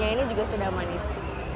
jadi itu juga sudah manis